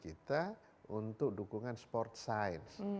kita untuk dukungan sport science